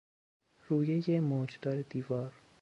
رویهی موجدار دیوار